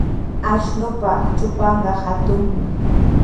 Ashnupa trupanqa hatunmi.